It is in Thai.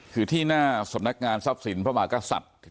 คือที่หน้าสำนักงานทรัพย์สินพระมหากษัตริย์